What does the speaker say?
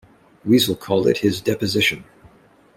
Wiesel called it his deposition.